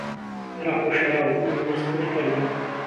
عهرهق و شهراو، من مهست نهکهردهم